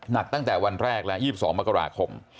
ตั้งแต่วันแรกและ๒๒มกราคม